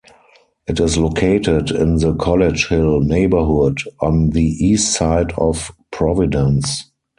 It is located in the College Hill neighborhood on the East Side of Providence.